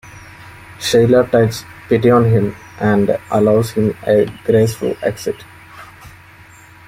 Sheila takes pity on him and allows him a graceful exit.